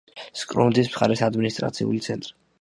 სკრუნდის მხარის ადმინისტრაციული ცენტრი.